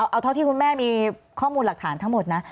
เอาเท่าที่คุณแม่มีข้อมูลหลักฐานทั้งหมดนะ